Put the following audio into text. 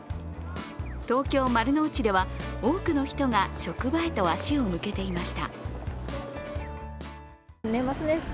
東京・丸の内では多くの人が職場へと足を向けていました。